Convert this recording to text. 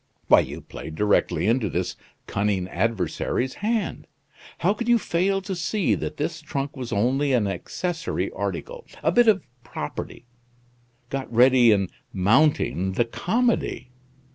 Why you played directly into this cunning adversary's hand. How could you fail to see that this trunk was only an accessory article; a bit of 'property' got ready in 'mounting' the 'comedy'?